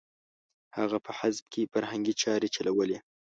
هغه په حزب کې فرهنګي چارې چلولې.